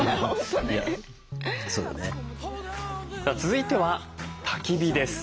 さあ続いてはたき火です。